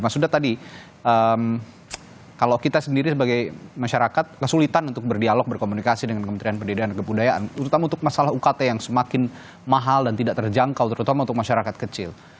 mas uda tadi kalau kita sendiri sebagai masyarakat kesulitan untuk berdialog berkomunikasi dengan kementerian pendidikan dan kebudayaan terutama untuk masalah ukt yang semakin mahal dan tidak terjangkau terutama untuk masyarakat kecil